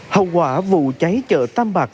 hậu quả vụ cháy chợ tam bạc